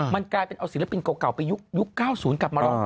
มันกลายเป็นเอาศิลปินเก่าไปยุค๙๐กลับมาหรอก